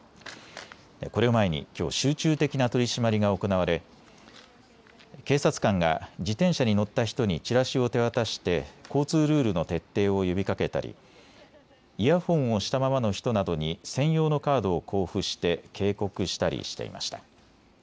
これを前にきょう集中的な取締りが行われ警察官が自転車に乗った人にチラシを手渡して交通ルールの徹底を呼びかけたりイヤホンをしたままの人などに専用のカードを交付して警告したりしていました。